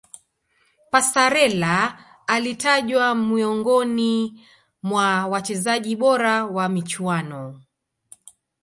passarella alitajwa miongoni mwa wachezaji bora wa michuano